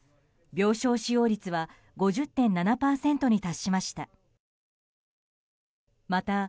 病床使用率は５０．７％に達しました。